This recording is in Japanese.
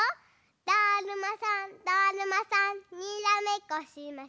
「だるまさんだるまさんにらめっこしましょ」